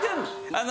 あの。